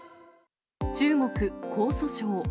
中国・江蘇省。